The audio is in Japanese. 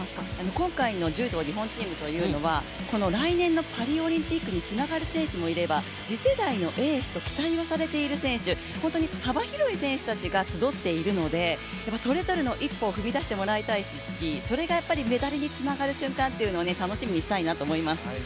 今回の柔道日本チームというのは来年のパリオリンピックにつながる選手もいれば次世代のエースと期待をされている選手、本当に幅広い選手がそろっているので、それぞれの一歩を踏み出してもらいたいですし、それがやっぱりメダルにつながる瞬間を楽しみにしたいと思います。